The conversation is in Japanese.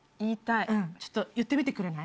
ちょっと言ってみてくれない？